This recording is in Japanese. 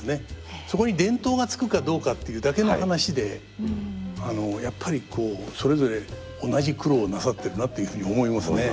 そこに伝統がつくかどうかっていうだけの話でやっぱりこうそれぞれ同じ苦労をなさってるなというふうに思いますね。